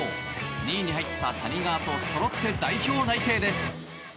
２位に入った谷川とそろって代表内定です。